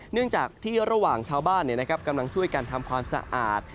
เนื่องจากที่ระหว่างชาวบ้านกำลังช่วยกันทำความสะอาด